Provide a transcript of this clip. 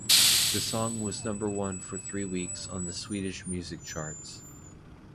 The song was number one for three weeks on the Swedish music charts.